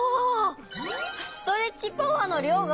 ストレッチパワーのりょうがわかるんだね。